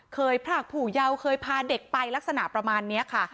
พรากผู้เยาว์เคยพาเด็กไปลักษณะประมาณนี้ค่ะ